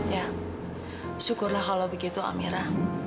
ya syukurlah kalau begitu amira